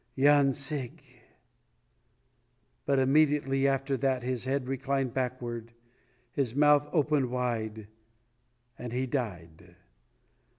Yancig!" But immediately after that his head reclined backward, his mouth opened wide and he died.